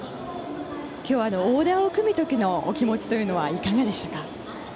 今日オーダーを組む時のお気持ちはいかがでしたか。